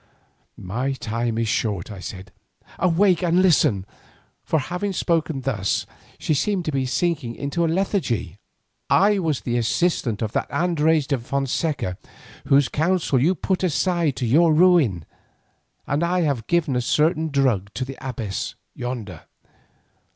"My time is short," I said; "awake and listen!" for having spoken thus she seemed to be sinking into a lethargy. "I was the assistant of that Andres de Fonseca whose counsel you put aside to your ruin, and I have given a certain drug to the abbess yonder.